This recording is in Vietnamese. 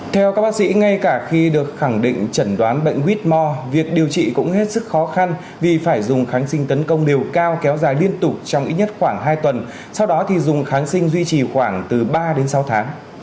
theo các bác sĩ ngay cả khi được khẳng định chẩn đoán bệnh whmore việc điều trị cũng hết sức khó khăn vì phải dùng kháng sinh tấn công đều cao kéo dài liên tục trong ít nhất khoảng hai tuần sau đó thì dùng kháng sinh duy trì khoảng từ ba đến sáu tháng